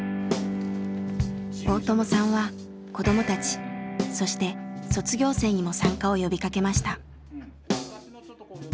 大友さんは子どもたちそして卒業生にも参加を呼びかけました。